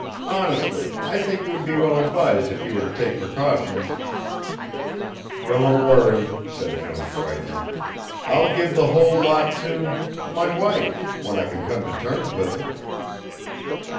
Honestly, I think you would be well advised if you were to take precautions." "Don't worry," said Jones brightly. "I'll give the whole lot to my wife when I can come to terms with her."